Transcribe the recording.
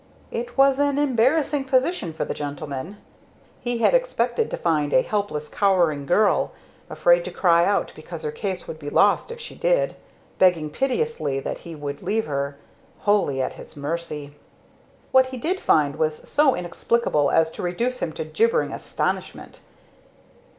It was an embarrassing position for the gentleman. He had expected to find a helpless cowering girl; afraid to cry out because her case would be lost if she did; begging piteously that he would leave her; wholly at his mercy. What he did find was so inexplicable as to reduce him to gibbering astonishment.